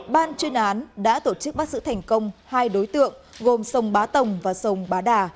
ban chuyên án đã tổ chức bắt giữ thành công hai đối tượng gồm sông bá tồng và sông bá đà